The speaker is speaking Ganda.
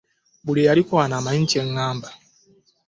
Buli eyaliko wano amanyi kye ŋŋamba.